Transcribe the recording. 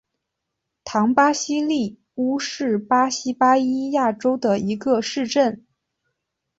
唐巴西利乌是巴西巴伊亚州的一个市镇。